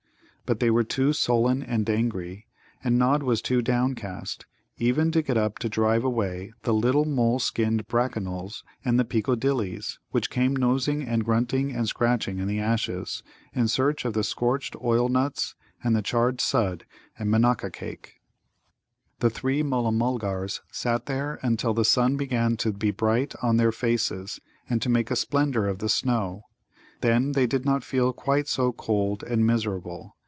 But they were too sullen and angry, and Nod was too downcast, even to get up to drive away the little mole skinned Brackanolls and the Peekodillies which came nosing and grunting and scratching in the ashes, in search of the scorched oil nuts and the charred Sudd and Manaka cake. The three Mulla mulgars sat there until the sun began to be bright on their faces and to make a splendour of the snow; then they did not feel quite so cold and miserable.